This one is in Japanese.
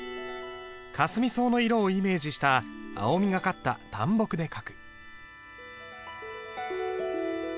かすみ草の色をイメージした青みがかった淡墨で書く。